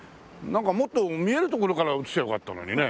なんかもっと見えるところから映せばよかったのにね。